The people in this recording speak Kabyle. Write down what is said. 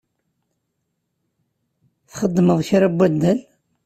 Txeddmeḍ kra n waddal?